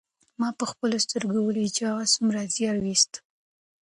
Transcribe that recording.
ما په خپلو سترګو ولیدل چې هغه څومره زیار ویوست.